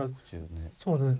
そうです。